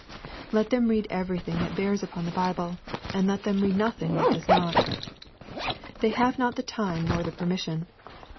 Let them read everything that bears upon the Bible, and let them read nothing that does not. They have not the time nor the permission.